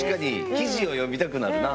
記事を読みたくなるな。